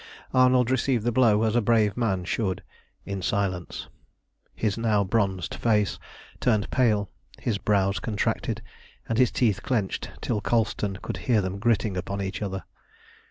Arnold received the blow as a brave man should in silence. His now bronzed face turned pale, his brows contracted, and his teeth clenched till Colston could hear them gritting upon each other.